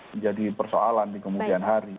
menjadi persoalan di kemudian hari